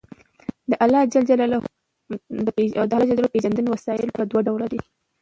د اللَّهِ ج پيژندنې وسايل په دوه ډوله دي